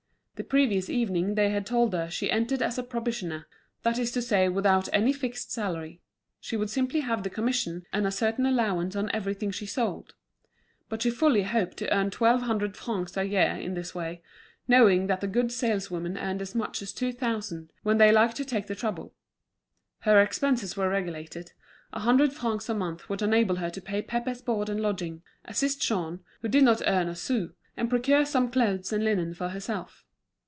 The previous evening they had told her she entered as a probationer, that is to say without any fixed salary; she would simply have the commission and a certain allowance on everything she sold. But she fully hoped to earn twelve hundred francs a year in this way, knowing that the good saleswomen earned as much as two thousand, when they liked to take the trouble. Her expenses were regulated; a hundred francs a month would enable her to pay Pépé's board and lodging, assist Jean, who did not earn a sou, and procure some clothes and linen for herself.